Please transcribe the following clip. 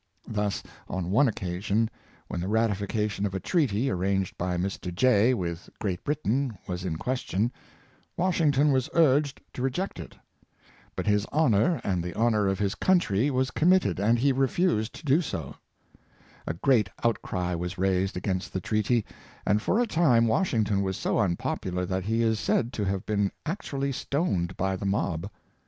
Thus, on one occasion, when the ratifi cation of a treaty, arranged by Mr. Jay with Great Britain, was in question, Washington was urged to re ject it. But his honor, and the honor of his country, was committed, and he refused to do so. A great out cry was raised against the treaty, and for a time Wash ington was so unpopular that he is said to have been actually stoned by the mob.